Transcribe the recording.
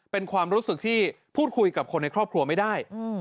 เป็นความรู้สึกที่พูดคุยกับคนในครอบครัวไม่ได้